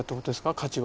価値は。